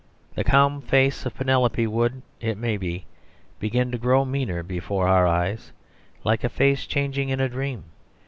The calm face of Penelope would, it may be, begin to grow meaner before our eyes, like a face changing in a dream.